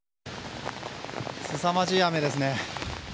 すさまじい雨ですね。